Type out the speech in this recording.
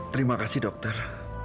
terima kasih dokter